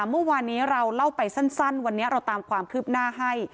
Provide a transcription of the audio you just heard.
เมื่อวานนี้เราเล่าไปสั้นวันนี้เราตามความคืบหน้าให้